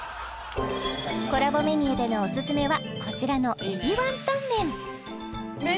コラボメニューでのオススメはこちらの海老ワンタン麺